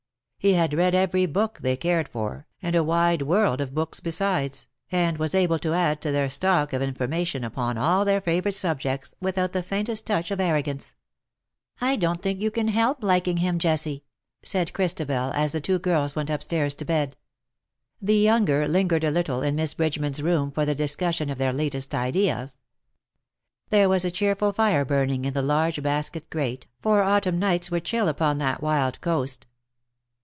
He had read every book they cared for — and a wide world of books besides — and was able to add to their stock of information upon all their favourite subjects, without the faintest touch of arrogance. " I don^t think you can help liking him, Jessie,^^ said Christabel, as the two girls went upstairs to bed. The younger lingered a little in Miss Bridgeman's room for the discussion of their latest ideas. There was a cheerful fire burning in the large basket grate^ for autumn nights were chill upon that wild coast.